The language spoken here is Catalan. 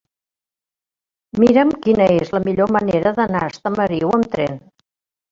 Mira'm quina és la millor manera d'anar a Estamariu amb tren.